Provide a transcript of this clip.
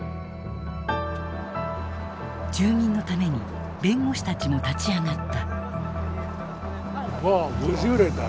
住民のために弁護士たちも立ち上がった。